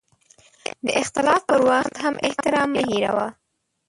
د اختلاف پر وخت هم احترام مه هېروه.